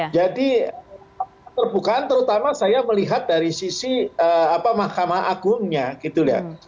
jadi keterbukaan terutama saya melihat dari sisi mahkamah agungnya gitu ya